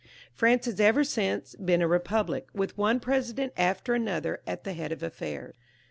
France has ever since been a republic, with one president after another to be at the head of affairs.